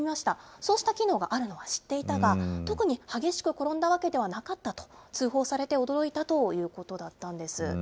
そうした機能があるのは知っていたが、特に激しく転んだわけではなかったと、通報されて驚いたということだったんです。